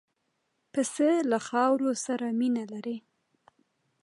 پسه له خاورو سره مینه لري.